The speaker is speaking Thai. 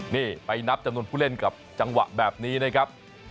นี่ไปนับจำนวนผู้เล่นกับจังหวะแบบนี้นะครับ